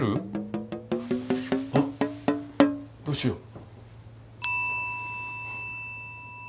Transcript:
あっどうしよう。